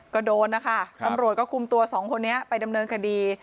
ก็โดนนะคะตำรวจก็คุมตัวสองคนนี้ไปดำเนินคดี